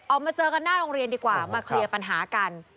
ออกมาเจอกันหน้าโรงเรียนดีกว่ามาเคลียร์ปัญหากัน